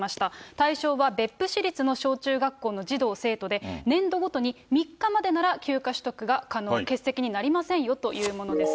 対象は別府市立の小中学校の児童・生徒で、年度ごとに３日までなら休暇取得が可能、欠席になりませんよというものです。